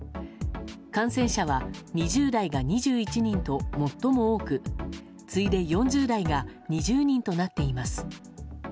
感染者は２０代が２１人と最も多く次いで４０代が２０人となっています。